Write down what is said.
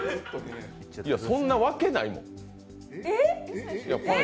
そんなわけないもん。